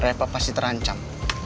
repa pasti terancam